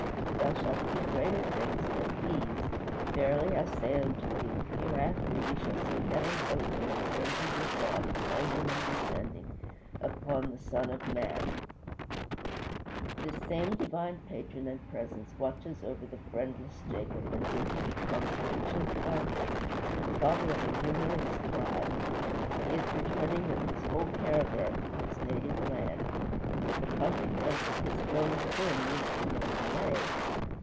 thou shalt see greater things than these, Verily I say unto you, hereafter ye shall see heaven open and the angels of God ascending and descending upon the Son of man." This same divine Patron and Presence watches over the friendless Jacob until he becomes rich and powerful, the father of a numerous tribe. He is returning with his whole caravan to his native land. But the consequence of his former sin meets him on the way.